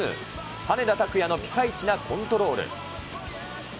羽根田卓也のピカイチなコントロール。